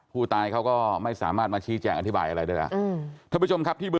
ผู้ตายเขาก็ไม่สามารถมาชี้แจงอธิบายอะไรได้แล้ว